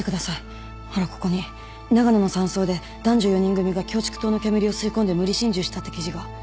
ほらここに長野の山荘で男女４人組がキョウチクトウの煙を吸い込んで無理心中したって記事が。